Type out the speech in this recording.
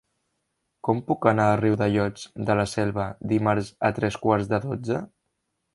Com puc anar a Riudellots de la Selva dimarts a tres quarts de dotze?